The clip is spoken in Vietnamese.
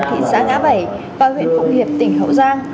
thị xã ngã bảy và huyện phụng hiệp tỉnh hậu giang